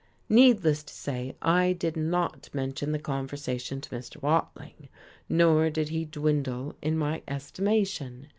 Needless to say, I did not mention the conversation to Mr. Watling, nor did he dwindle in my estimation.